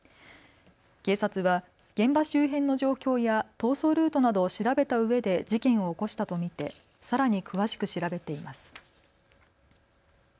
警察は現場周辺の状況や逃走ルートなどを調べたうえで事件を起こしたと見てさらに詳しく調べています。